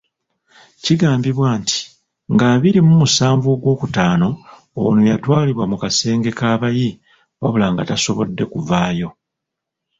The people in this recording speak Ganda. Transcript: Kigambibwa nti nga abiri mu musanvu Ogw'okutano, ono yatwalibwa mu kasenge k'abayi wabula nga tasobodde kuvaayo.